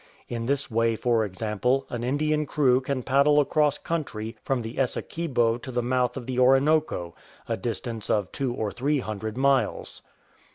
In this way, for example, an Indian crew can paddle across country from the Essequibo to the mouth of the Orinoco, a distance of two or three hundred miles.